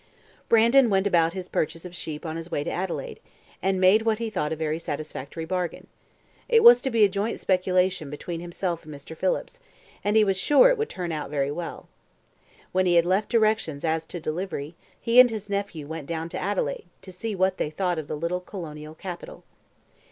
Brandon went about his purchase of sheep on his way to Adelaide, and made what he thought a very satisfactory bargain. It was to be a joint speculation between himself and Mr. Phillips, and he was sure it would turn out very well. When he had left directions as to delivery, he and his nephew went down to Adelaide, to see what they thought of that little colonial capital.